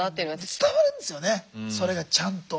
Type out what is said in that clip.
伝わるんですよねそれがちゃんと。